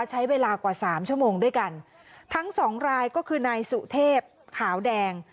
ใช้เวลากว่าสามชั่วโมงด้วยกันทั้งสองรายก็คือนายสุเทพขาวแดง